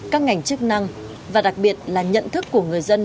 các ngành chức năng và đặc biệt là nhận thức của người dân